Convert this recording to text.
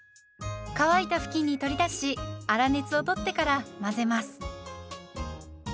乾いた布巾に取り出し粗熱を取ってから混ぜます。